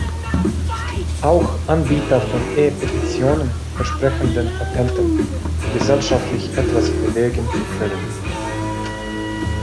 Auch Anbieter von E-Petitionen versprechen den Petenten, gesellschaftlich etwas bewegen zu können.